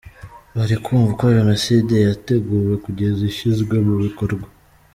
Bari kumva uko Jenoside yateguwe kugeza ishyizwe mu bikorwa.